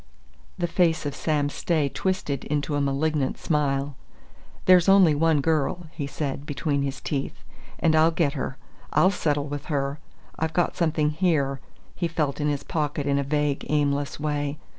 The face of Sam Stay twisted into a malignant smile. "There's only one girl," he said between his teeth, "and I'll get her. I'll settle with her! I've got something here " he felt in his pocket in a vague, aimless way.